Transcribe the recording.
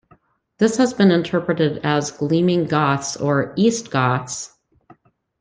This has been interpreted as "gleaming Goths" or "east Goths".